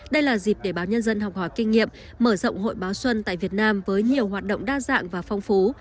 đây là dịp để báo nhân dân học hỏi kinh nghiệm mở rộng hội báo xuân tại việt nam với nhiều hoạt động đa dạng và phong phú